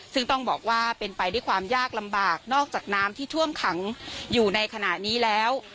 ซึ่งต้องบอกว่าเป็นไปด้วยความยากลำบากนอกจากน้ำที่ท่วมขังอยู่ในขณะนี้แล้ว